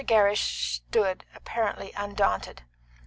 Gerrish stood apparently undaunted.